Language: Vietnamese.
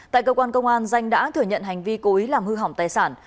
tại cơ quan công an danh đã thừa nhận hành vi cố ý làm hư hỏng tài sản